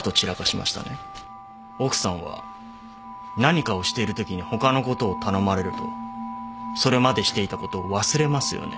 奥さんは何かをしているときに他のことを頼まれるとそれまでしていたことを忘れますよね。